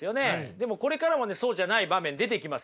でもこれからもねそうじゃない場面出てきますよ。